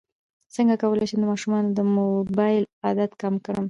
څنګه کولی شم د ماشومانو د موبایل عادت کم کړم